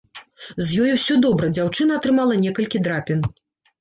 З ёй усё добра, дзяўчына атрымала некалькі драпін.